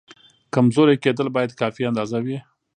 کمزوری کېدل باید کافي اندازه وي.